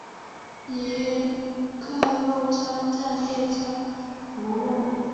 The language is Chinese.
尼克路车站列车服务。